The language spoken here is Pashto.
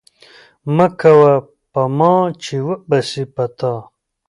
مه کوه په ما، چې وبه سي په تا!